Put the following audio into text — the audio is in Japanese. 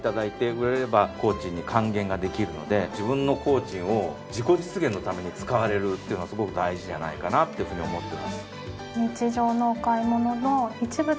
自分の工賃を自己実現のために使われるっていうのはすごく大事じゃないかなっていうふうに思ってます。